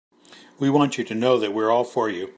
We want you to know that we're all for you.